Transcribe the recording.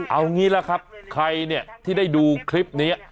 เอางี้แหละครับใครที่ได้ดูคลิปนี้